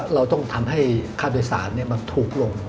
เราต้องทำให้ค่าโดยสารมันถูกลง